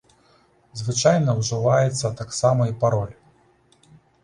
Звычайна ўжываецца таксама і пароль.